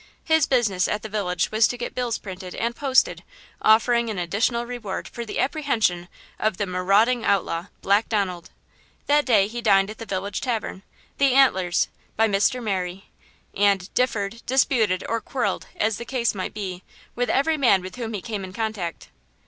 His business at the village was to get bills printed and posted offering an additional reward for the apprehension of "the marauding outlaw, Black Donald." That day he dined at the village tavern–"The Antlers," by Mr. Merry–and differed, disputed, or quarrelled, as the case might be, with every man with whom he came in contact.